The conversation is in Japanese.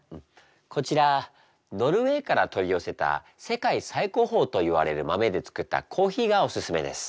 こちらノルウェーから取り寄せた世界最高峰といわれる豆で作ったコーヒーがおすすめです。